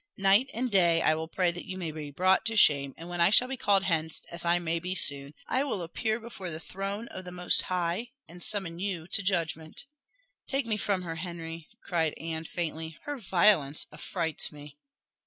Night and day I will pray that you may be brought to shame; and when I shall be called hence, as I maybe soon, I will appear before the throne of the Most High, and summon you to judgment." "Take me from her, Henry!" cried Anne faintly; "her violence affrights me."